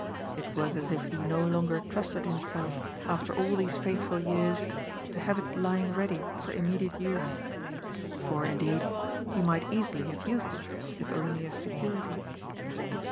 It was as if he no longer trusted him self, after all these faithful years, to have it lying ready for immediate use. For, indeed, he might easily have used it, if only as Becurity.